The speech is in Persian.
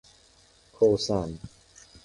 کوسن